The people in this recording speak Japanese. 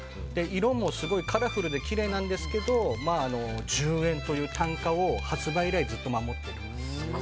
色もすごいカラフルできれいなんですけど１０円という単価を発売以来ずっと守っています。